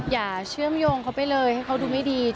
อย่าเชื่อมโยงเขาไปเลยให้เขาดูไม่ดี